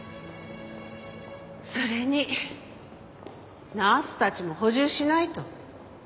それにナースたちも補充しないと。